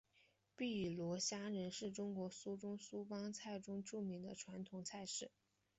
碧螺虾仁是中国苏州苏帮菜的著名传统菜式。